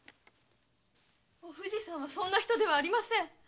お藤さんはそんな人ではありません！